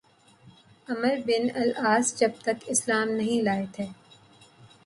عمرو بن العاص جب تک اسلام نہیں لائے تھے